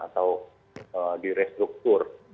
atau di restruktur